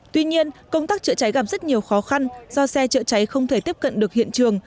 tuy nhiên công tác chữa cháy gặp rất nhiều khó khăn do xe chữa cháy không thể tiếp cận được hiện trường